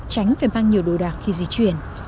tránh phải mang nhiều đồ đạc khi di chuyển